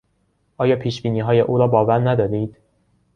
آیا پیشبینیهای او را باور ندارید؟